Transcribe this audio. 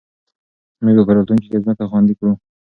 موږ به راتلونکې کې ځمکه خوندي کړو.